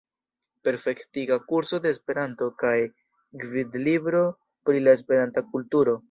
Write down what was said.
Perfektiga kurso de Esperanto kaj Gvidlibro pri la Esperanta kulturo.